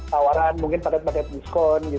tawaran mungkin paket paket diskon